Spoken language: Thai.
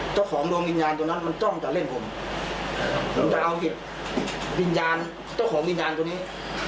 เจ้าของดวงวิญญาณตัวนั้นมันจ้องจะเล่นผมมันจะเอาเก็บวิญญาณเจ้าของวิญญาณตัวนี้